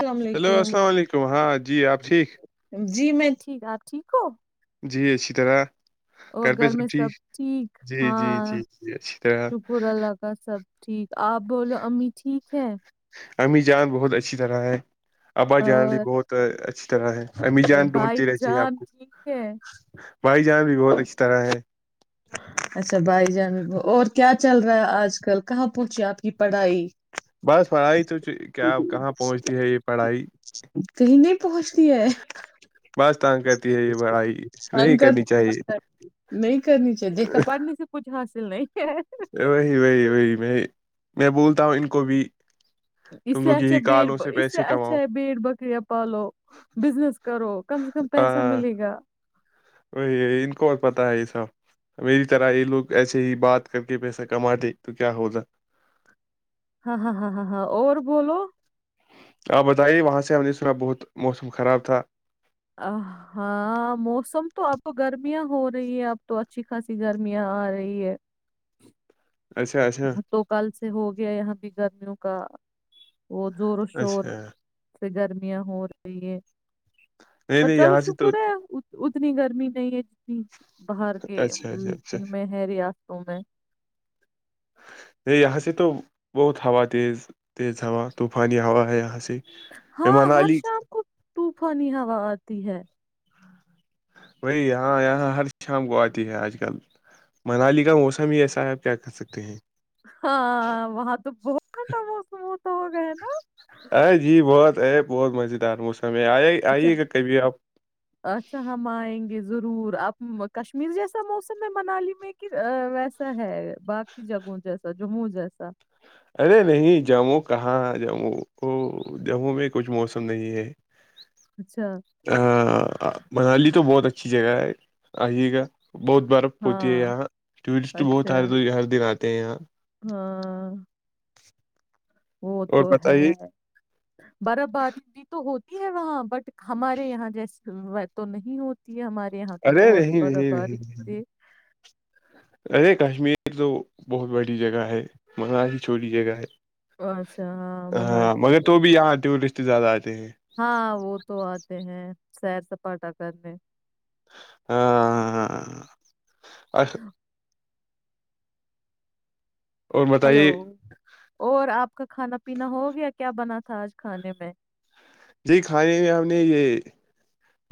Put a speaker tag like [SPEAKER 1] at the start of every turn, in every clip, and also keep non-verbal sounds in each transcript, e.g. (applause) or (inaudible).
[SPEAKER 1] السلام
[SPEAKER 2] ہیلو السلام
[SPEAKER 1] علیکم
[SPEAKER 2] علیکم ہاں جی آپ ٹھیک
[SPEAKER 1] جی میں ٹھیک ہ آپ ٹھیک ہو
[SPEAKER 2] جی ای طرح
[SPEAKER 1] اور گھر میں سب ٹھیک
[SPEAKER 2] جی جی
[SPEAKER 1] ہاں
[SPEAKER 2] جی جی اچھی طرح
[SPEAKER 1] شکر اللہ کا سب ٹھیک آپ بولو امی ٹھیک ہے
[SPEAKER 2] امی جان بہت اچھی طرح ہے آبا جان لی
[SPEAKER 1] اور
[SPEAKER 2] بہت اچھ طرح ہے امی جان
[SPEAKER 1] بھائی
[SPEAKER 2] ڈھونڈتی رہتی ہے آپ
[SPEAKER 1] جان
[SPEAKER 2] کو
[SPEAKER 1] ٹھیک ہے
[SPEAKER 2] بھائی جان بھی بہت اچھی طرح ہے
[SPEAKER 1] اچھا بائی جان اور کیا چل رہا ہے آج کل کہاں پہنچے آپ کی پڑھائی
[SPEAKER 2] بس پڑھائی تو کیا کہاں پہنچتی ہے یہ پڑھائی
[SPEAKER 1] کہیں
[SPEAKER 2] بس تانگ کرتی ہے یہ پڑھائی نہیں
[SPEAKER 1] کر
[SPEAKER 2] کرنی چاہیے
[SPEAKER 1] نہیں کرنی چاہیے دیکھا پٹنے سے کچھ حاصل نہیں ہے
[SPEAKER 2] وہی وہی وہی میں میں بولتا ہوں ان کو بھی
[SPEAKER 1] اس
[SPEAKER 2] تم
[SPEAKER 1] سے
[SPEAKER 2] لوگ
[SPEAKER 1] اچھا
[SPEAKER 2] یہی
[SPEAKER 1] بی
[SPEAKER 2] کالوں
[SPEAKER 1] اس سے
[SPEAKER 2] پیسے
[SPEAKER 1] اچھا
[SPEAKER 2] کماؤ
[SPEAKER 1] ہے بییر بکریاں پالو بزنس کرو کم سے کم پیسہ
[SPEAKER 2] آ
[SPEAKER 1] ملے گا
[SPEAKER 2] وہی ان کو اور پتا ہے یہسا میری طرح یہ لوگ ایسے ہی بات کر کے پیسہ کماتے تو کیا ہو جا
[SPEAKER 1] ہاں ہاں ہاں ہاں ہاں اور بولو
[SPEAKER 2] آپ بتائیے وہاں سے ہم نے سنا بہت موسم خراب تھا
[SPEAKER 1] ا ہاں موسم تو اب گرمیاں ہو رہی ہے اب تو اچھی خاصی گرمیاں آ رہی ہے
[SPEAKER 2] اچھا اچھا
[SPEAKER 1] تو کل سے ہو گیا یہاں بھی گرمیوں کا وہ زور و شور
[SPEAKER 2] اچھا
[SPEAKER 1] گرمیاں ہو رہی ہے
[SPEAKER 2] نہیں
[SPEAKER 1] اور
[SPEAKER 2] نہیں
[SPEAKER 1] چلو
[SPEAKER 2] یہاں سے تو
[SPEAKER 1] شکر ہے اتنی گرمی نہیں ہے جتنی باہر کے ا
[SPEAKER 2] اچھا اچھا اچھا
[SPEAKER 1] ان میں ہے ریاستوں میں
[SPEAKER 2] یہ یہاں سے تو بہت ہوا تیز تیز ہوا طوفانی ہوا ہے یہاں سے میں
[SPEAKER 1] ہاں ہر
[SPEAKER 2] منالی
[SPEAKER 1] شام کو طوفانی ہوا آتی ہے
[SPEAKER 2] بی یہاں یہاں ہر شام کو آتی ہے آج کل منالی کا موسم ہی ایسا ہے آپ کیا کر سکتے ہیں
[SPEAKER 1] ہاں وہاں تو بہت ٹھنڈا موسم ہوتا ہوگا ہے نا
[SPEAKER 2] ا جی بہت بہت مزےیدار مو
[SPEAKER 1] اچھا اچھا ہم آئیں گے ضرور اب کشمیر جیسا موسم ہے منالی میں کہ ویسا ہے باقی جگہوں جیسا جموں جیسا
[SPEAKER 2] ارے نہیں جموں کہاں جموں وہ جموں میں کچھ موسم نہیں ہے
[SPEAKER 1] اچھا
[SPEAKER 2] ا (inaudible) منالی تو بہت اچھی جگہ ہے آئیے گا بہت برف ہوتی ہے
[SPEAKER 1] ہاں
[SPEAKER 2] یہاں ٹورسٹ بہت ہ
[SPEAKER 1] اچھا
[SPEAKER 2] ہر دن آتے ہیں یہاں
[SPEAKER 1] ہاں وہ
[SPEAKER 2] اور
[SPEAKER 1] تو
[SPEAKER 2] بتائیے
[SPEAKER 1] ہے برف باری بھی تو ہوتی وہاں بٹ ہمارے یہاں جیس تو نہیں ہوتی ہے ہمارے یہاں تو
[SPEAKER 2] ارے
[SPEAKER 1] بہت برف
[SPEAKER 2] نہیں
[SPEAKER 1] باری ہوتی ہے
[SPEAKER 2] ارے کشمیر تو بہت بڑی جگہ ہے مگا ہیی چھوٹی جگہ ہے
[SPEAKER 1] اچھا ہاں منالی
[SPEAKER 2] کت زیاہ
[SPEAKER 1] ہاں وہ تو آتے ہیں سیر سپاٹا کرنے
[SPEAKER 2] ہاں آ اور
[SPEAKER 1] ہلو
[SPEAKER 2] بتائیے
[SPEAKER 1] اور آپ کا کھانا پینا ہو گیا کیا بنا تھا آج کھانے میں
[SPEAKER 2] جی کھانے میں ہم نے یہ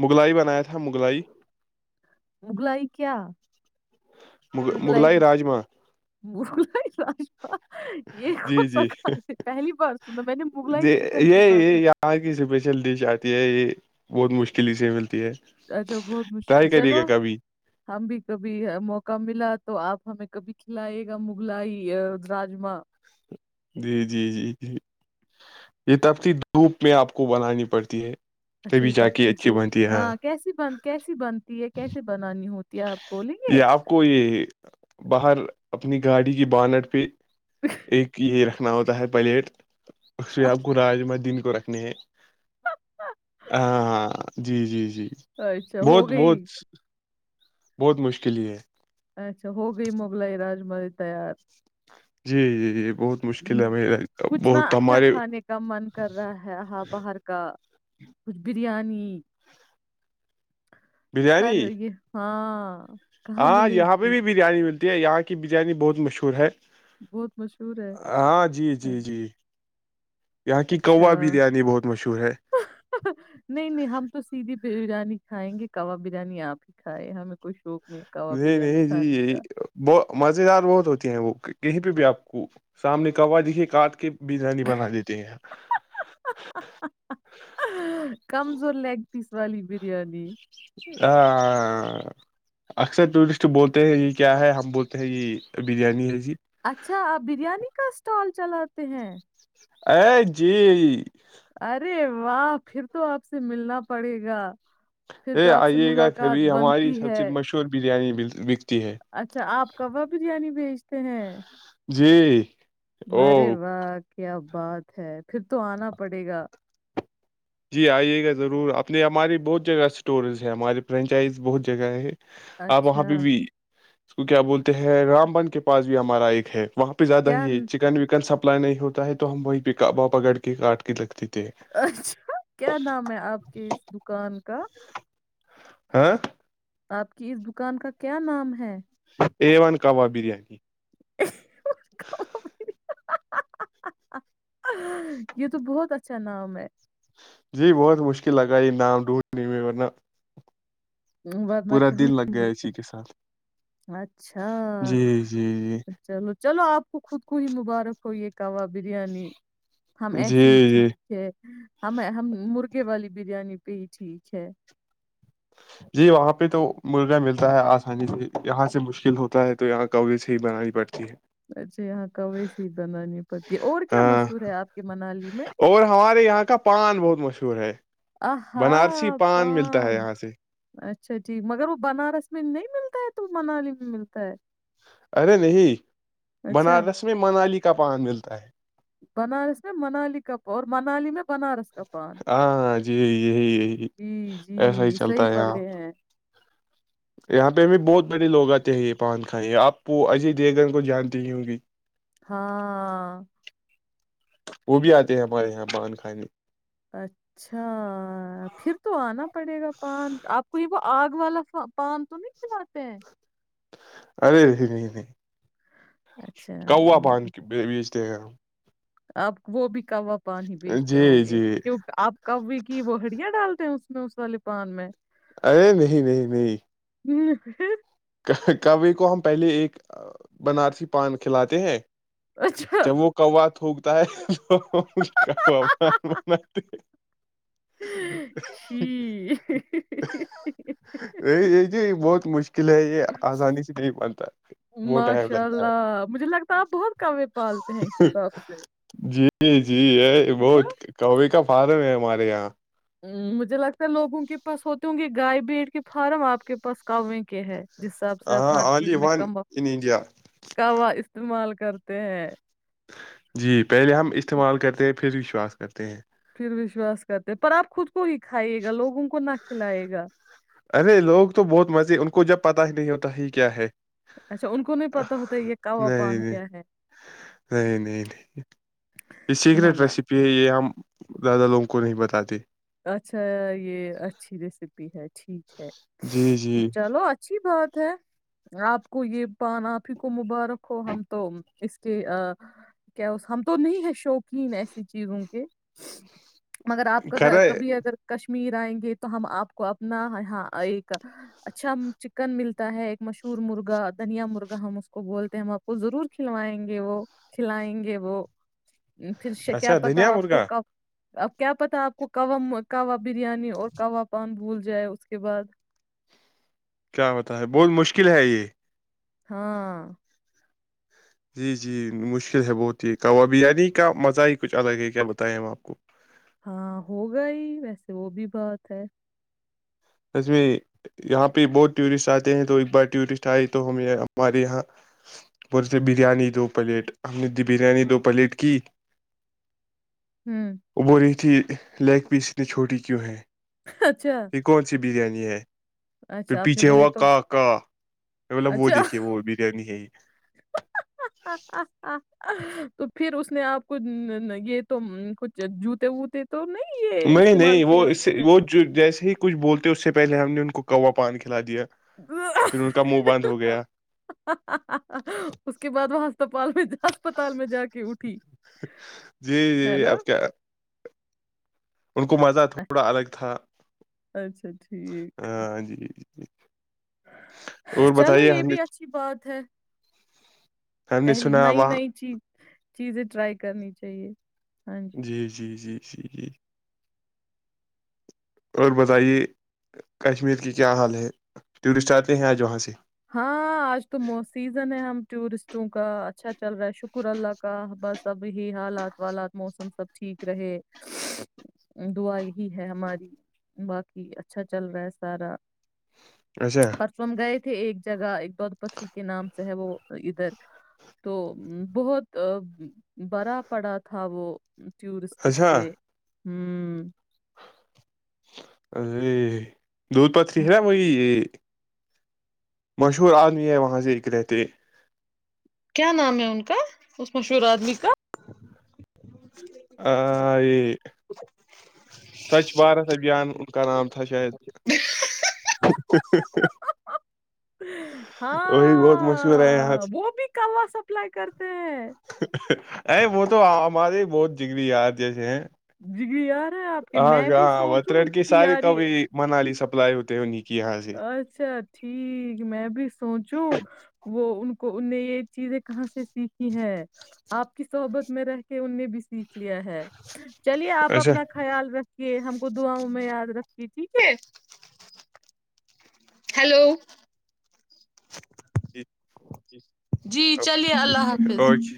[SPEAKER 2] مغلائی بنایا تھا مغلائی
[SPEAKER 1] مغلائی کیا
[SPEAKER 2] م مغلائی راجما
[SPEAKER 1] مر ل س
[SPEAKER 2] جی جی
[SPEAKER 1] بار سنا میں نے مغلائی
[SPEAKER 2] جی
[SPEAKER 1] چکن سنا تھا
[SPEAKER 2] یہی یہاں کی اسپیشل ڈش آتی یہ یہ بہت مشکل سے ملتی ہے
[SPEAKER 1] اچھا بہت مشکل
[SPEAKER 2] ٹرائی کریے
[SPEAKER 1] چلو
[SPEAKER 2] گا کبھی
[SPEAKER 1] ہم بھی کبھی موقع ملا تو آپ ہمیں کبھی کھلائیے گا مغلائی راجما
[SPEAKER 2] جی جی جی جی یہ تبتی دھوپ میں آپ کو بنانی پڑتی ہے
[SPEAKER 1] اچھا یہ
[SPEAKER 2] تبھی جا کے
[SPEAKER 1] تب
[SPEAKER 2] اچھی بنتی ہے
[SPEAKER 1] ہاں کیسی بن کیسی بنتی ہے کیسے بنانی ہوتی ہے آپ بولیں گے
[SPEAKER 2] یہ آپ کو یہ باہر اپنی گاڑی کی بانٹ پہ ایک یہیر پکھناؤ تاہ ہے پلیٹ اش کو راجمدین کو نے ہاں ہاں جی جی جی
[SPEAKER 1] اچھا ہو
[SPEAKER 2] بہت بہت
[SPEAKER 1] گئی
[SPEAKER 2] بہت مشکل ہی ہے
[SPEAKER 1] اچھا ہو گئی مغلائی راج ملی تیار
[SPEAKER 2] جی جی جی بہت مشکل
[SPEAKER 1] ہ
[SPEAKER 2] ہے ہمیں
[SPEAKER 1] کھ نہ
[SPEAKER 2] بہت
[SPEAKER 1] اچھا
[SPEAKER 2] ہمارے
[SPEAKER 1] کھانے کا من کر رہا ہے ہاں باہر کا خچ بریانی پر
[SPEAKER 2] بریانی
[SPEAKER 1] یہ ہاں ہاں
[SPEAKER 2] ہاں یہاں پہ بھی بریانی ملتی یہاں کی بریانی بہت مشہور ہے
[SPEAKER 1] بہت مشہور ہے
[SPEAKER 2] ہاں جی
[SPEAKER 1] ہاں،
[SPEAKER 2] جی جی یہاں کی کوا
[SPEAKER 1] اچھا
[SPEAKER 2] بریانی بہت مشہور ہے
[SPEAKER 1] نہیں نہیں ہم تو سیدھی بریانی کھائیں گے کاب بریانی آپ ہی کھائے ہمیں کوئی شوق ہے کباب
[SPEAKER 2] نہیں
[SPEAKER 1] بریانی
[SPEAKER 2] نہیں جی
[SPEAKER 1] کھانے
[SPEAKER 2] یہی
[SPEAKER 1] کا
[SPEAKER 2] ب مز دار بہت ہوتی ہیں وہ کہیں پہ بھی آپ کو سامنے کہوا دے کاٹ کے بریانی بنا دیتے ہیں
[SPEAKER 1] پس والی بریانی
[SPEAKER 2] ہ اکثر ٹورسٹ بولتے ہیں یہ کیا ہے ہم بولتے ہیں یہ بریانی ہے جی
[SPEAKER 1] اچھا بریانی کا اسٹال چلاتے ہیں
[SPEAKER 2] ا جی
[SPEAKER 1] ارے واہ پھر تو آپ سے ملنا پڑے گا پھر
[SPEAKER 2] ا
[SPEAKER 1] تو آپ سے
[SPEAKER 2] آئیے گا
[SPEAKER 1] ملاقات
[SPEAKER 2] کبھی ہماری
[SPEAKER 1] بنتی
[SPEAKER 2] سب سے
[SPEAKER 1] ہے
[SPEAKER 2] مشہور بریانی (inaudible)
[SPEAKER 1] اچھا آپ کاں بریانی بھیج تو ہ
[SPEAKER 2] جی او
[SPEAKER 1] مرے وا کیا بات ہے پھر تو آنا پڑے گا
[SPEAKER 2] جی آئیے گا ضرور اپنے ہماری بہت جگہ اسٹورز ہے ہماری فرینچائز بہت جگہ ہے آپ وہاں
[SPEAKER 1] اچھا
[SPEAKER 2] پہ بھی اس کو کیا بولتے ہیں رام بن کے پاس بھی ہمارا ایک ہے وہاں پہ زیادہ
[SPEAKER 1] کیا
[SPEAKER 2] ہی ہے
[SPEAKER 1] ن-
[SPEAKER 2] چکن وکن سب اپلائی نہیں ہوتا ہے تو ہم وہیں پ پاپا گڑھ کے کاٹ کے رکھتے تھ
[SPEAKER 1] اچھا کیا نام ہے آپ کے اس دکان ان کا
[SPEAKER 2] ہاں
[SPEAKER 1] آپ کی اس دکان کا کیا نام ہے
[SPEAKER 2] ا ون کباب بریانی
[SPEAKER 1] (inaudible) یہ تو بہت اچھا نام ہے
[SPEAKER 2] جی بہت مشکل لگا یہ نام ڈھونڈنے میں ورنہ
[SPEAKER 1] ورن
[SPEAKER 2] پورا
[SPEAKER 1] کہیں
[SPEAKER 2] دن لگ
[SPEAKER 1] نہیں
[SPEAKER 2] گیا
[SPEAKER 1] ملتا
[SPEAKER 2] اسی کے ساتھ
[SPEAKER 1] اچھا
[SPEAKER 2] جی جی
[SPEAKER 1] چلو چلو آپ کو خود کو ہی مبارک کوئی یہ کوہ بریانی ہم
[SPEAKER 2] جی
[SPEAKER 1] ایسے ہی
[SPEAKER 2] جی جی
[SPEAKER 1] ٹھیک ہے ہمیں ہم مرغے والی بریانی پہ ہی ٹھیک ہے
[SPEAKER 2] جی وہاں پہ تو مرغا ملتا ہے آسانی سے یہاں سے مشکل ہوتا ہے تو یہاں کج ہی بنانی پڑتی ہے
[SPEAKER 1] اچھا یہاں کی س ہی بنانی پڑتی ہے اور کیا
[SPEAKER 2] ہاں
[SPEAKER 1] مشہور ہے آپ کے منالی میں
[SPEAKER 2] شور ہے
[SPEAKER 1] آہا
[SPEAKER 2] بنارسی ملتا ہے
[SPEAKER 1] پان
[SPEAKER 2] یہاں سے
[SPEAKER 1] اچھ اچھا جی مگر وہ بنارس میں نہیں ملتا ہے تو وہ منالی میں ملتا ہے
[SPEAKER 2] ارے نہیں
[SPEAKER 1] اچھا
[SPEAKER 2] بنارس میں منالی کا پان ملتا ہے
[SPEAKER 1] بنارس میں منالی کا اور منالی میں بنارس کا پان
[SPEAKER 2] ہاں جی یہی یہی
[SPEAKER 1] جی
[SPEAKER 2] ایسا ہی
[SPEAKER 1] جی
[SPEAKER 2] چلتا
[SPEAKER 1] صحیح
[SPEAKER 2] ہے یہاں
[SPEAKER 1] پکڑے ہیں
[SPEAKER 2] یہاں پہ بھی بہت بڑے لوگ آتے ہیں یہ پان کھائیں آپ کو ایج دے کر کو جانتی ہی ہووںگی
[SPEAKER 1] ہاں
[SPEAKER 2] وہ بھی آتے ہیں ہمارے یہاں بانان کھانے
[SPEAKER 1] اچھا پھر تو آنا پڑے گا پان آپ کو یہ وہ آگ والا پان تو نہیں کلاتے ہیں
[SPEAKER 2] ارے نہیں نہیں
[SPEAKER 1] اچھا وہ
[SPEAKER 2] (unintelligible) (unintelligible)
[SPEAKER 1] اب وہ بھی کم پانی
[SPEAKER 2] ہم
[SPEAKER 1] بیچتے ہوں
[SPEAKER 2] جی
[SPEAKER 1] گے
[SPEAKER 2] جی
[SPEAKER 1] اپ کوے کی بوریاں ڈال اس میں اس والے پان میں
[SPEAKER 2] ارے نہیں نہیں نہیں
[SPEAKER 1] (unintelligible)
[SPEAKER 2] کبی کو ہم پہلے ایک بنارسی پان کھلاتے ہیں
[SPEAKER 1] اچھا
[SPEAKER 2] جب وہ کوات ہوگی
[SPEAKER 1] چھی
[SPEAKER 2] (unintelligible) (unintelligible) (unintelligible) ل یہ آسانی سے نہیں بنتا ب ٹائم
[SPEAKER 1] ماشاء
[SPEAKER 2] لگتا ہے
[SPEAKER 1] اللہ مجھے لگتا ہے آپ بہت کوے پالتے ہیں اس حساب سے
[SPEAKER 2] جی جی یہ
[SPEAKER 1] ہے نا
[SPEAKER 2] بہت کوے کا فارم ہے ہمارے (unintelligible)
[SPEAKER 1] (unintelligible) ہے جس حساب سے آپ
[SPEAKER 2] ہاں
[SPEAKER 1] ہر چیز
[SPEAKER 2] آلی
[SPEAKER 1] میں
[SPEAKER 2] ون
[SPEAKER 1] کم
[SPEAKER 2] ان انڈیا
[SPEAKER 1] کا استعمال کرتے ہیں
[SPEAKER 2] جی پہلے ہم استعمال کرتے ہیں پھر شواس کرتے ہیں
[SPEAKER 1] پھر وشواس کرتے پر آپ خود کو ہی کھائیے گا لوگوں کو نہ کھلائے گا
[SPEAKER 2] ارے لوگ تو بہت مزے ان کو جب پتا ہی نہیں ہوتا ہی کیا ہے
[SPEAKER 1] اچھا ان کو نہیں پتا ہوتا یہ کوا
[SPEAKER 2] نہیں
[SPEAKER 1] پان
[SPEAKER 2] نہیں
[SPEAKER 1] کیا ہے
[SPEAKER 2] نہیں نہیں نہیں یہ
[SPEAKER 1] نہ
[SPEAKER 2] سیکریٹ
[SPEAKER 1] نہ
[SPEAKER 2] ریسیپی ہے یہ ہم زیادہ لوگوں کو نہیں بتاتے
[SPEAKER 1] اچھا یہ اچھی ریسیپی ہے ٹھیک ہے
[SPEAKER 2] جی جی
[SPEAKER 1] چلو اچھی بات آپ کو یہ پان آپ ہی کو مبارک ہو ہم تو اس کے کیا ہم تو نہیں ہے شوقین ایسی چیزوں کے مگر آپ کا
[SPEAKER 2] کر
[SPEAKER 1] اگر کشمیر ائیں گے تو ہم اپ کو اپنا ہاں ایک اچھا چکن ملتا ہے ایک مشہور مرغا دھنیا مرغا ہم اس کو بولتے ہیں ہم اپ کو ضرور کھلوائیں گے وہ کھلائیں گے وہ پھر کیا
[SPEAKER 2] اچھا
[SPEAKER 1] پتا
[SPEAKER 2] دھنیا
[SPEAKER 1] آپ کو
[SPEAKER 2] مرغا
[SPEAKER 1] کب اب کیا پتا آپ کو اب ہم مکہ ہوا بریانی اور کاوان بھول جائے اس کے بعد
[SPEAKER 2] کیا بتا ہے بہت مشکل ہے یہ
[SPEAKER 1] ہاں
[SPEAKER 2] جی جی مشکل ہے بہت ہی وہ بریانی کا مزہ ہی کچھ الگ ہے کیا بتائیں ہم آپ کو
[SPEAKER 1] ہاں ہوگا ہی ویسے وہ بھی بات ہے
[SPEAKER 2] یہاں پہ بہت ڈیورس اتے ہیں تو ایک بار ڈیوری سٹائل تو ہمیں یہاں پر سے بریانی دھوپ بریانی دو پلیٹ کی
[SPEAKER 1] ہوں
[SPEAKER 2] اب رہی تھی لیگ پیس اتنی چھوٹی کیوں ہے
[SPEAKER 1] اچھا
[SPEAKER 2] یہ کون سی بریانی ہے پھر
[SPEAKER 1] اچھا آپ نے
[SPEAKER 2] پیچھے
[SPEAKER 1] بولے
[SPEAKER 2] ہوا
[SPEAKER 1] تو
[SPEAKER 2] کا کا مطلب وہ
[SPEAKER 1] اچھا
[SPEAKER 2] دیکھیے وہ بریانی ہے یہ
[SPEAKER 1] تو پھر اس نے آپ کو یہ تو کچھ جوتے وتے
[SPEAKER 2] نہیں نہیں وہ اس سے وہ جیسے ہی کچھ بولتے اس سے پہلے ہم نے ان کو کوا پان کھلا دیا
[SPEAKER 1] اہ اہ
[SPEAKER 2] پھر ان کا منہ بند ہو گیا
[SPEAKER 1] اہ اس کے بعد وہاں (unintelligible) ہسپتال میں جا کے اٹھی
[SPEAKER 2] جی جی
[SPEAKER 1] ہینا
[SPEAKER 2] اب کیا ان کو مزہ تھوڑا الگ تھا
[SPEAKER 1] اچھا ٹھیک
[SPEAKER 2] جی (unintelligible) اور
[SPEAKER 1] چلو
[SPEAKER 2] بتائیے
[SPEAKER 1] یہ
[SPEAKER 2] ہم نے
[SPEAKER 1] بھی اچھی بات ہے
[SPEAKER 2] ہم نے
[SPEAKER 1] پہل
[SPEAKER 2] سنا
[SPEAKER 1] نئی
[SPEAKER 2] وہاں
[SPEAKER 1] نئی چیز چیزیں ٹرائی کرنی چاہیے
[SPEAKER 2] جی جی جی (unintelligible) اور بتائیے کشمیر کی کیا حال ہے ٹورسٹ آتے ہیں آج وہاں سے
[SPEAKER 1] ہاں آج تو سیزن ہے ہم ٹورسٹ کا اچھاچ چل رہا ہے شکر اللہ کا بس سب ہی حالات والات موسم سب ٹھیک رہے دعا یہی ہے ہماری باقی اچھا چل رہا ہے سارا
[SPEAKER 2] اچھا
[SPEAKER 1] پرسو ہم گئے ایک جگہ دود پتھری کے نام ہے وہ ادھر تو بہت بڑا پڑا تھا وہ ٹورسٹ
[SPEAKER 2] اچھا
[SPEAKER 1] سے ہمم
[SPEAKER 2] الے (unintelligible) دودھ پتھری
[SPEAKER 1] ہ
[SPEAKER 2] ہیں وہی یہ مشہور آدمی ہے وہاں سے ایک رہتے
[SPEAKER 1] کیا نام ہے ان کا اس مشہور ادمی کا
[SPEAKER 2] آ، یہ سوچھ بھارت ابھیان ان کا نام تھا شاید وہی بہت مشہور ہے یہاں ارے وہ تو ہمارے ہی بہت جگری یار جیسے ہیں
[SPEAKER 1] جگری یار
[SPEAKER 2] ہاں گ ہاں وترٹ کی ساری کبھی منال سب پائی ہوتے ہو نک
[SPEAKER 1] اچھا ٹھیک میں بھی سوچوں وہ ان کو ان نے یہ چیزیں کہاں سے سیکھی ہیں آپ کی صحبت میں رہ کے ان نے بھی سیکھھی لیا ہے چلیے آپ
[SPEAKER 2] اچھا
[SPEAKER 1] اپنا خیال رکھ یہ ہم کو دعاؤں میں یاد رکھتی ٹھیک ہے ہیلو
[SPEAKER 2] جی
[SPEAKER 1] جی (unintelligible) جی چلیے اللہ حافظ
[SPEAKER 2] اوکے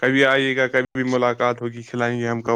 [SPEAKER 2] کبھی آئیے گا کبھی بھی ملاقات ہوگی کھلائیں گے ہم کور